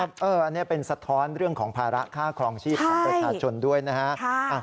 อันนี้เป็นสะท้อนเรื่องของภาระค่าครองชีพของประชาชนด้วยนะฮะ